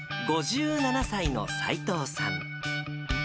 ５７歳の斎藤さん。